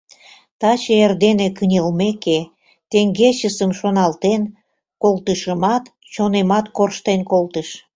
Таче эрдене кынелмеке, теҥгечысым шоналтен колтышымат, чонемат корштен колтыш.